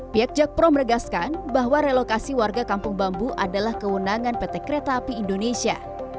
pihak jakpro meregaskan bahwa relokasi warga kampung bambu adalah kewenangan pt kereta api indonesia